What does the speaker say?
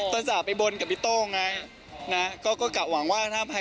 ตอนสากไปบนกับพี่โต้ไง